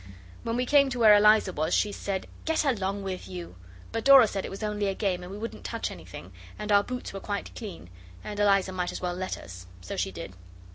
When we came to where Eliza was, she said, 'Get along with you'; but Dora said it was only a game, and we wouldn't touch anything, and our boots were quite clean, and Eliza might as well let us. So she did.